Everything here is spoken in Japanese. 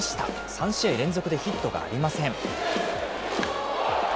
３試合連続でヒットがありません。